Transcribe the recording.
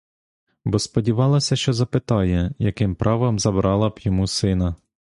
Бо сподівалася, що запитає, яким правом забрала б йому сина.